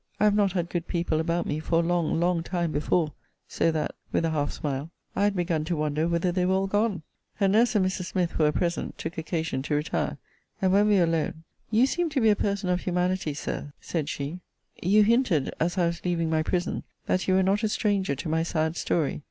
I have not had good people about me for a long, long time before; so that [with a half smile] I had begun to wonder whither they were all gone. Her nurse and Mrs. Smith, who were present, took occasion to retire: and, when we were alone, You seem to be a person of humanity, Sir, said she: you hinted, as I was leaving my prison, that you were not a stranger to my sad story.